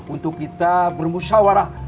untuk kita bermusyawarah